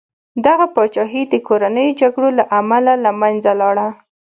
دغه پاچاهي د کورنیو جګړو له امله له منځه لاړه.